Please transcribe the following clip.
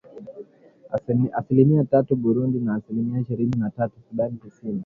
Asilimia tatu Burundi na asilimia ishirini na tatu Sudan Kusini